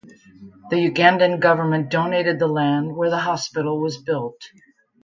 The Ugandan government donated the land where the hospital was built.